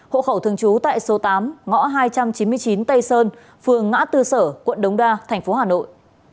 hộ khẩu thương chú tại số tám ngõ hai trăm chín mươi chín tây sơn phường ngã tư sở quận đống đa tp hà nội